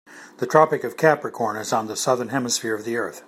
The Tropic of Capricorn is on the Southern Hemisphere of the earth.